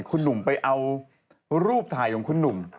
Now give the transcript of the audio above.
คุณหนุ่มไปเอารูปถ่ายของคุณหนุ่ม